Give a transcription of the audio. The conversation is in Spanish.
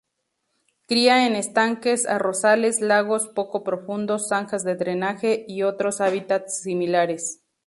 Cría en estanques, arrozales, lagos poco profundos, zanjas de drenaje y otros hábitats similares.